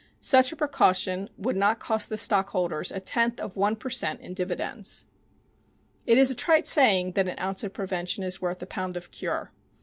Such a precaution would not cost the Stockholders a tenth of one per cent. in dividends. It is a trite saying that an ounce of prevention is worth a pound of cure.